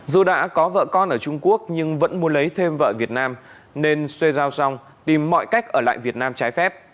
dù đã có vợ con ở trung quốc nhưng vẫn muốn lấy thêm vợ việt nam nên xoay rau rong tìm mọi cách ở lại việt nam trái phép